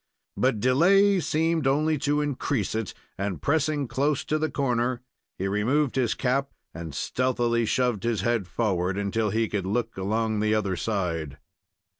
But delay seemed only to increase it, and, pressing close to the corner, he removed his cap and stealthily shoved his head forward until he could look along the other side.